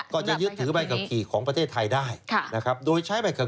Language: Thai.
ก็ถือว่าคุณผ่านมาแล้ว